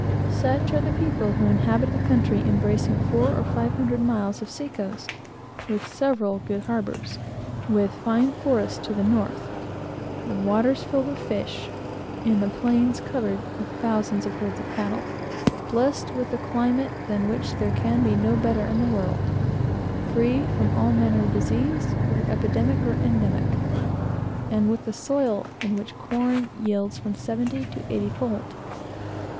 Such are the people who inhabit a country embracing four or five hundred miles of sea coast, with several good harbors; with fine forests in the north; the waters filled with fish, and the plains covered with thousands of herds of cattle; blessed with a climate, than which there can be no better in the world; free from all manner of diseases, whether epidemic or endemic; and with a soil in which corn yields from seventy to eighty fold.